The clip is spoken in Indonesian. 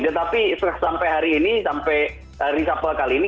tetapi sampai hari ini sampai reshuffle kali ini